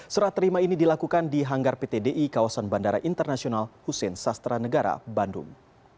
serah terima ini dilakukan di hanggar pt di kawasan bandara internasional hussein sastra negara bandung